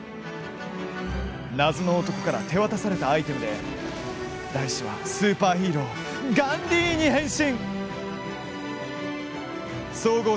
謎の男から手渡されたアイテムで大志は、スーパーヒーローガンディーンに変身。